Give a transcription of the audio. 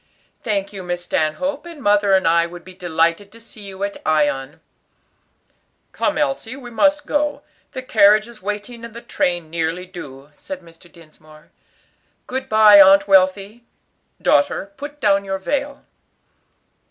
"Thank you, Miss Stanhope; and mother and I would be delighted to see you at Ion." "Come, Elsie, we must go; the carriage is waiting and the train nearly due," said Mr. Dinsmore. "Good bye, Aunt Wealthy. Daughter, put down your veil."